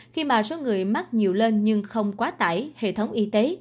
khi mà số người mắc nhiều lên nhưng không quá tải hệ thống y tế